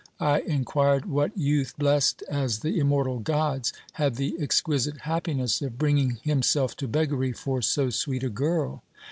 I inquired what youth, blessed as the immortal gods, had the exquisite happiness of bringing himself to beggary for so sweet a girl.